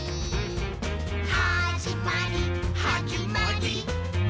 「はじまりはじまりー！」